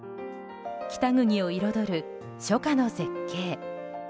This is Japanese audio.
北国を彩る初夏の絶景。